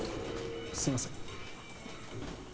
すいません。